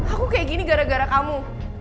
aku gak ditemuin sama siapapun karena kamu